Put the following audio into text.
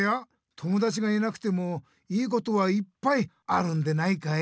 友だちがいなくてもいいことはいっぱいあるんでないかい？